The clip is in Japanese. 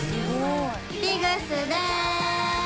ピグスです。